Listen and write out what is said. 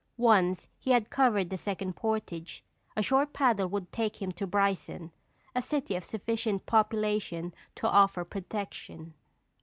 Once he had covered the second portage, a short paddle would take him to Bryson, a city of sufficient population to offer protection.